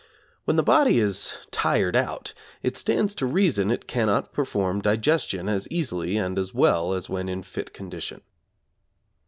When the body is 'tired out,' it stands to reason it cannot perform digestion as easily and as well as when in fit condition.